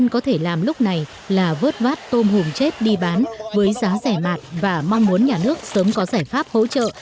có thể làm lúc này là vớt vát tôm hùm chết đi bán với giá rẻ mạt và mong muốn nhà nước sớm có giải pháp hỗ trợ